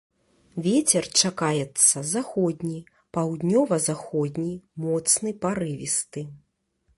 Вецер чакаецца заходні, паўднёва-заходні моцны парывісты.